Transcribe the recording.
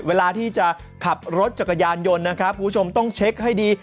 เวลาที่จะขับรถจักรยานยนต์นะครับคุณผู้ชมต้องเช็คให้ดี